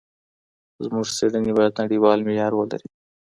زموږ څېړني باید نړیوال معیار ولري.